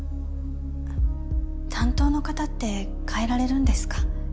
あっ担当の方って替えられるんですか？